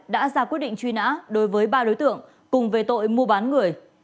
đã ra quyết định truy nã đối với ba đối tượng cùng về tội mua bán người